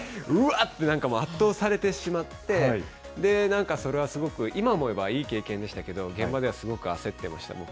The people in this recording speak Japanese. って、なんか圧倒されてしまって、なんか、それはすごく、今思えばいい経験でしたけど、現場ではすごく焦ってました、僕。